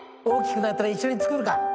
大きくなったら一緒に作るか。